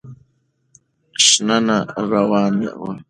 شننه روانه وه.